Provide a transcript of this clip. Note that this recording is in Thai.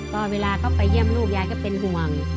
ก็เวลาเขาไปเยี่ยมลูกยายก็เป็นห่วง